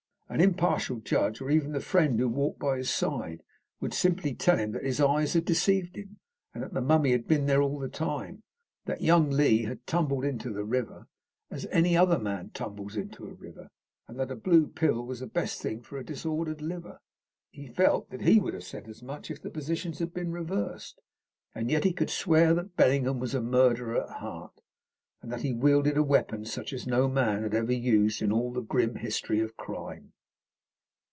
An impartial judge, or even the friend who walked by his side, would simply tell him that his eyes had deceived him, that the mummy had been there all the time, that young Lee had tumbled into the river as any other man tumbles into a river, and that a blue pill was the best thing for a disordered liver. He felt that he would have said as much if the positions had been reversed. And yet he could swear that Bellingham was a murderer at heart, and that he wielded a weapon such as no man had ever used in all the grim history of crime.